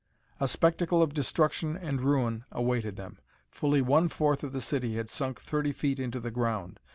A spectacle of destruction and ruin awaited them. Fully one fourth of the city had sunk thirty feet into the ground.